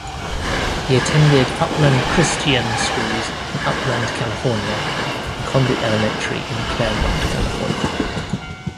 He attended Upland Christian Schools in Upland, California and Condit Elementary in Claremont, California.